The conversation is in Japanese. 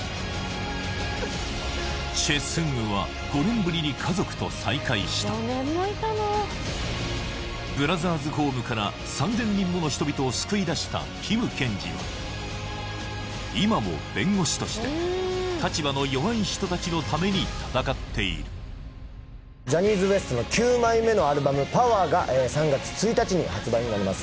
チェ・スンウは５年ぶりに家族と再会したブラザーズホームから３０００人もの人々を救い出したキム検事は今も弁護士として立場の弱い人たちのために闘っているジャニーズＷＥＳＴの９枚目のアルバム「ＰＯＷＥＲ」が３月１日に発売になります